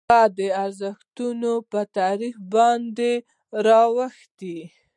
هغه د ارزښتونو په تعریف باندې راته اوښتي.